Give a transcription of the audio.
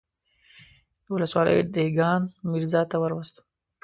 د ولسوالۍ دېګان ميرزا ته وروستم.